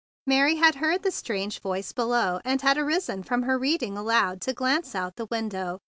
Mary had heard the strange voice below and arisen from her reading aloud to glance out of the window.